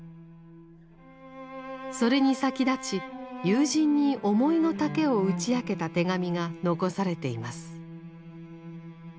それに先立ち友人に思いの丈を打ち明けた手紙が残されています。